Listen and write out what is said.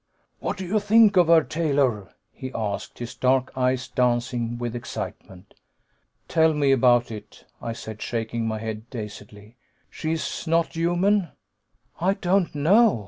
"What do you think of her, Taylor?" he asked, his dark eyes dancing with excitement. "Tell me about it," I said, shaking my head dazedly. "She is not human?" "I don't know.